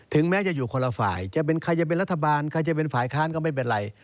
แม้จะอยู่คนละฝ่ายจะเป็นใครจะเป็นรัฐบาลใครจะเป็นฝ่ายค้านก็ไม่เป็นไร